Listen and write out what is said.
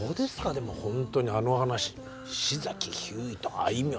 でも本当にあの話石崎ひゅーいとあいみょ